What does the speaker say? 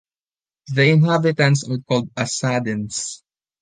The inhabitants are called "Assadins".